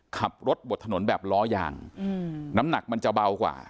ขับรถบดถนนแบบล้อยางน้ำหนักมันจะเบากว่า